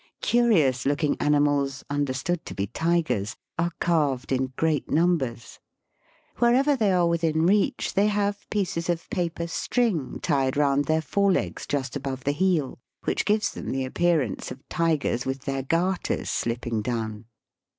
Curious looking animals, understood to be tigers, are carved in great numbers. "Wherever they are within reach they have pieces of paper string tied round their forelegs just above the heel, which gives them the appearance of tigers with their garters slip ping down.